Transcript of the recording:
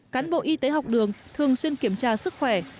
cán bộ y tế học đường thường xuyên kiểm tra sức khỏe